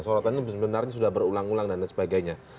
sorotan ini sebenarnya sudah berulang ulang dan lain sebagainya